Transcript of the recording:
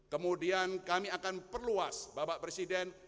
kemudian kami akan perluas bapak presiden